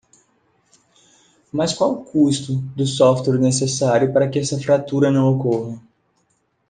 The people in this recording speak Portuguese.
Mas qual o custo do software necessário para que essa fratura não ocorra?